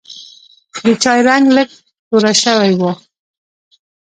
د چای رنګ لږ توره شوی و.